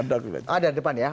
ada di depan ya